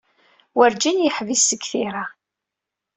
Werǧin yeḥbis seg tira.